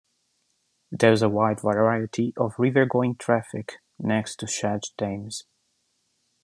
There is a wide variety of river-going traffic next to Shad Thames.